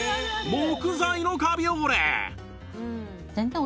木材のカビ汚れ